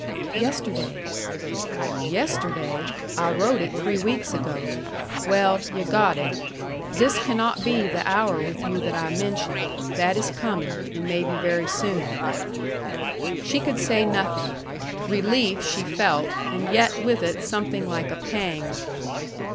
"Yesterday." "Yesterday! I wrote it three weeks ago. Well, yu' got it. This cannot be the hour with you that I mentioned. That is coming, and maybe very soon." She could say nothing. Relief she felt, and yet with it something like a pang.